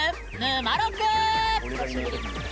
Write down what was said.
「ぬまろく」！